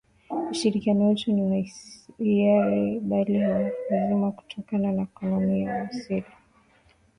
Ushirikiano wetu si wa hiari bali wa lazima kutokana na kanuni ya uasili